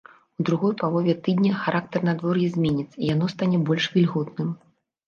У другой палове тыдня характар надвор'я зменіцца, яно стане больш вільготным.